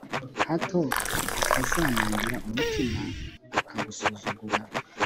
hato atazanangira umutima, akagusuzugura